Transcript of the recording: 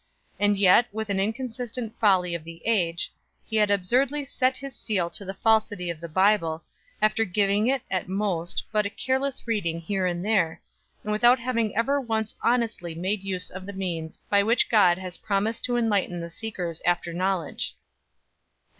And yet, with the inconsistent folly of the age, he had absurdly set his seal to the falsity of the Bible, after giving it, at most, but a careless reading here and there, and without having ever once honestly made use of the means by which God has promised to enlighten the seekers after knowledge.